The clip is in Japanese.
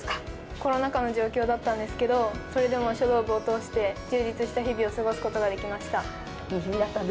コロナ禍の状況だったんですけど、それでも書道部を通して充実した日々を過ごすことができました。